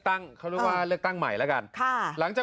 มันก็เลยเป็นการที่ว่าเราก็ต้องมาเสียเวลาไกลตรงนี้แต่คนคนนั้นอ่ะ